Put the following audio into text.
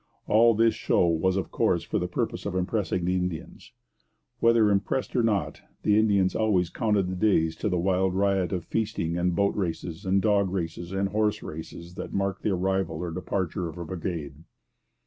All this show was, of course, for the purpose of impressing the Indians. Whether impressed or not, the Indians always counted the days to the wild riot of feasting and boat races and dog races and horse races that marked the arrival or departure of a brigade.